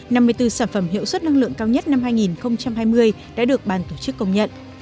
năm mươi bốn sản phẩm hiệu suất năng lượng cao nhất năm hai nghìn hai mươi đã được bàn tổ chức công nhận